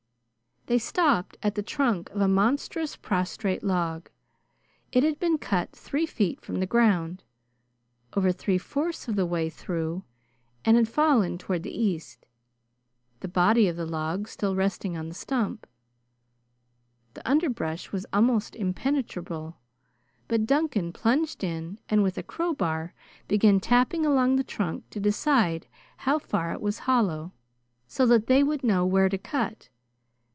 They stopped at the trunk of a monstrous prostrate log. It had been cut three feet from the ground, over three fourths of the way through, and had fallen toward the east, the body of the log still resting on the stump. The underbrush was almost impenetrable, but Duncan plunged in and with a crowbar began tapping along the trunk to decide how far it was hollow, so that they would know where to cut.